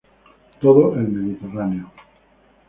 Todo el Mediterráneo.